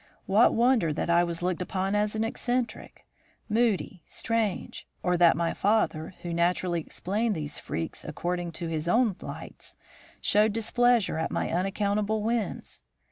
What wonder that I was looked upon as eccentric, moody, strange, or that my father, who naturally explained these freaks according to his own lights, showed displeasure at my unaccountable whims?